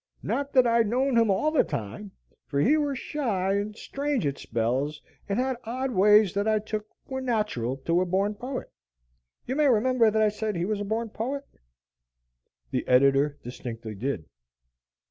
Not that I'd known him all the time, fur he war shy and strange at spells and had odd ways that I took war nat'ral to a borned poet. Ye may remember that I said he was a borned poet?" The editor distinctly did.